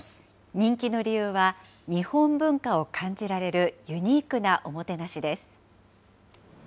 人気の理由は、日本文化を感じられるユニークなおもてなしです。